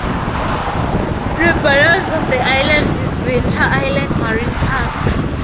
The balance of the island is Winter Island Marine Park.